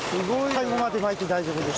最後まで巻いて大丈夫です。